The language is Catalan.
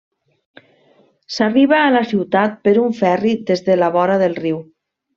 S'arriba a la ciutat per un ferri des de la vora del riu.